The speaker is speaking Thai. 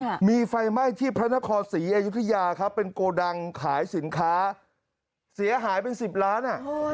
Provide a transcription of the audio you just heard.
อันนี้มีไฟไหม้ที่พระนครศรีอยุธยาเป็นโกดังขายสินค้าเสียหายเป็น๑๐ล้าน